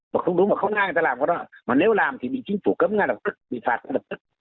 mà không đúng mà không ai người ta làm cái đó mà nếu làm thì bị chính phủ cấm ngay lập tức bị phạt ngay lập tức